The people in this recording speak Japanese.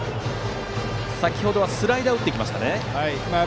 先程はスライダーを打っていきましたね。